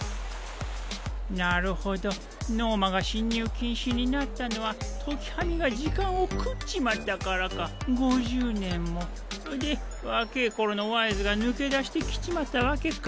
なるほどノーマが侵入禁止になったのは時喰みが時間を食っちまったからか５０年も。で若ぇ頃のワイズが抜け出してきちまったわけか。